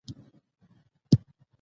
د واک نه کنټرول ستونزې جوړوي